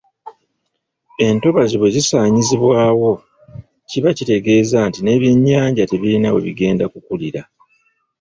Entobazi bwe zisaanyizibwawo kiba kitegeeza nti n’ebyennyanja tebirina we bigenda kukulira.